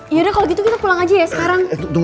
yaudah kalau gitu kita pulang aja ya sekarang